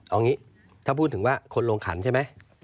เอางี้ถ้าพูดถึงว่าคนลงขันใช่ไหม